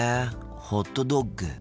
ホットドッグ。